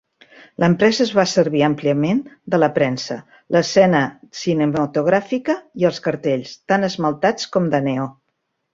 L'empresa es va servir àmpliament de la premsa, l'escena cinematogràfica i els cartells, tant esmaltats com de neó.